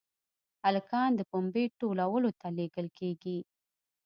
هلکان د پنبې ټولولو ته لېږل کېږي.